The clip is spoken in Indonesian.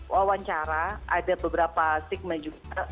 wawancara ada beberapa stigma juga